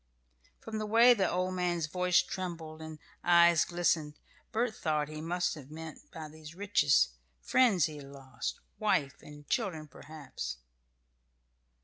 From the way the old man's voice trembled and eyes glistened, Bert thought he must have meant by these riches friends he had lost wife and children, perhaps.